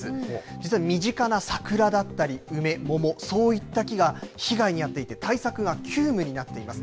実は身近な桜だったり、梅、桃、そういった木が被害に遭っていて、対策が急務になっています。